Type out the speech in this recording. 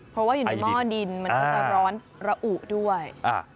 เพราะว่าอยู่ในหม้อดินมันก็จะร้อนระอุด้วย